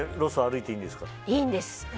いいんです。